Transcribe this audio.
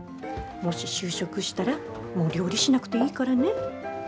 もし就職したらもう料理しなくていいからね。